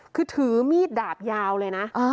คือถือมีดดาบยาวเลยนะ